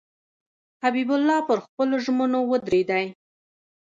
حبیب الله پر خپلو ژمنو ودرېدی.